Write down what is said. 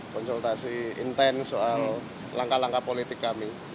konsultasi intens soal langkah langkah politik kami